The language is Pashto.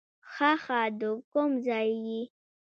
ښه ښه، د کوم ځای یې؟